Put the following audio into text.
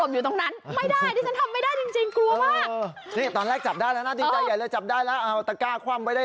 หัวจำแดดนับไม่ได้